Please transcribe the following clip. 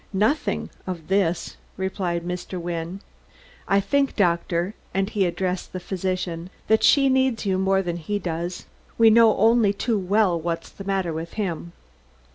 "Nothing of this," replied Mr. Wynne. "I think, Doctor," and he addressed the physician, "that she needs you more than he does. We know only too well what's the matter with him."